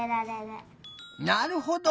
なるほど！